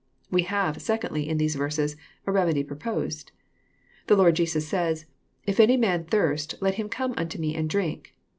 We have, secondly, in these verses, a remedy proposed. The Lord Jesus says, " If any man thirst, let him come unto me and drink."